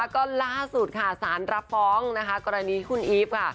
ก็ล่าสุดค่ะสารรับฟ้องนะคะกรณีคุณอีฟค่ะ